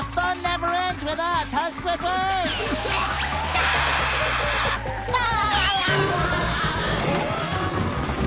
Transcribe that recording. ああ！